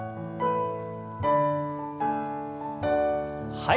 はい。